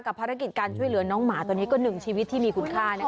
ภารกิจการช่วยเหลือน้องหมาตัวนี้ก็หนึ่งชีวิตที่มีคุณค่านะคะ